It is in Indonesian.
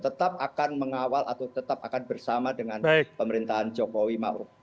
tetap akan mengawal atau tetap akan bersama dengan pemerintahan jokowi mau